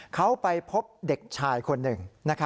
เขาไปพบเด็กชายคนหนึ่ง